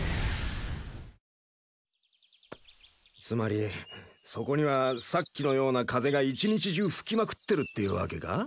つまりそこにはさっきのような風が１日中吹きまくってるっていうわけか？